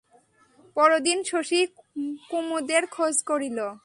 পরদিন শশী কুমুদের খোঁজ করিল।